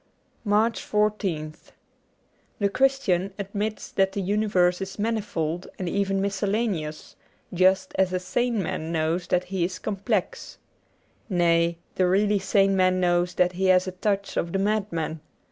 79 MARCH 14th THE Christian admits that the universe is mani fold and even miscellaneous, just as a sane man knows that he is complex. Nay, the really sane man knows that he has a touch of the madman.